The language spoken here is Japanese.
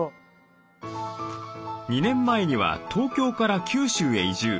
２年前には東京から九州へ移住。